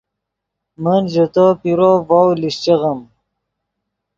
من ژے تو پیرو ڤؤ لیشچیغیم